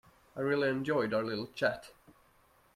I really enjoyed our little chat.